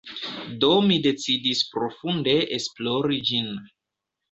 Do mi decidis profunde esplori ĝin.